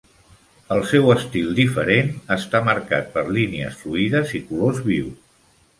El seu estil diferent està marcat per línies fluïdes i colors vius.